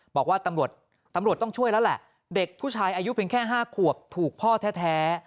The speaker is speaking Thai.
บอกว่าตำรวจตำรวจต้องช่วยแล้วแหละเด็กผู้ชายอายุเพียงแค่๕ขวบถูกพ่อแท้